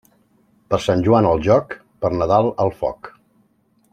Per Sant Joan al joc, per Nadal al foc.